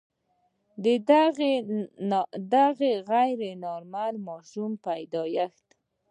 د دغه غیر نارمل ماشوم پیدایښت.